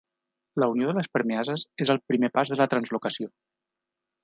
La unió de les permeases és el primer pas de la translocació.